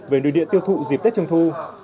về nơi địa tiêu thụ dịp tết trung thu